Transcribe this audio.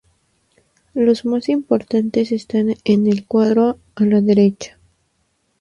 Los más importantes están en el cuadro a la derecha.